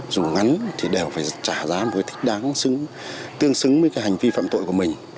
dù ngắn thì đều phải trả giá một cái thích đáng tương xứng với cái hành vi phạm tội của mình